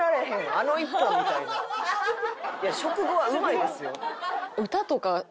いや食後はうまいですよ。